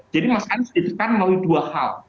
jadi mas anies ditekan melalui dua hal